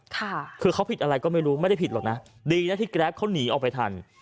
ค่ะคือเขาผิดอะไรก็ไม่รู้ไม่ได้ผิดหรอกนะดีนะที่แกรปเขาหนีออกไปทัน